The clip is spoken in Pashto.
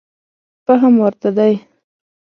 فهم ورته دی.